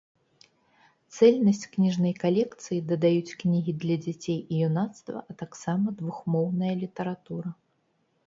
Цэльнасць кніжнай калекцыі дадаюць кнігі для дзяцей і юнацтва, а таксама двухмоўная літаратура.